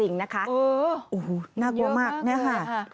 เออมันเยอะมากเลยค่ะโอ้โฮน่ากลัวมากนะครับ